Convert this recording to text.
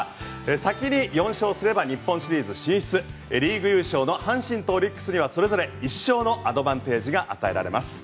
先に４勝すれば日本シリーズ進出リーグ優勝の阪神とオリックスにはそれぞれ１勝のアドバンテージが与えられます。